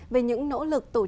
về những nỗ lực tổ chức